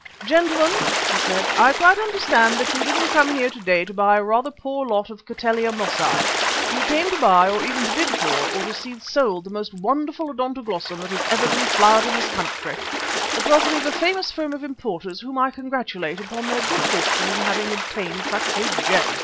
"Gentlemen," he said, "I quite understand that you didn't come here to day to buy a rather poor lot of Cattleya Mossiæ. You came to buy, or to bid for, or to see sold the most wonderful Odontoglossum that has ever been flowered in this country, the property of a famous firm of importers whom I congratulate upon their good fortune in having obtained such a gem.